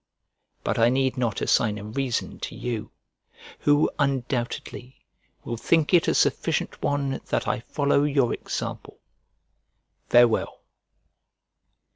But I need not assign a reason to you; who, undoubtedly, will think it a sufficient one that I follow your example. Farewell.